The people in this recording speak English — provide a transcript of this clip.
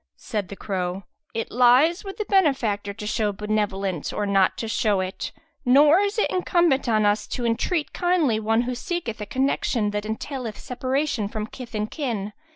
Said the crow, "It lies with the benefactor to show benevolence or not to show it; nor is it incumbent on us to entreat kindly one who seeketh a connection that entaileth separation from kith and kin.